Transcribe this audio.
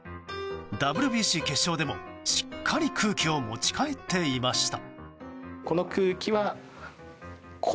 ＷＢＣ決勝でも、しっかり空気を持ち帰っていました。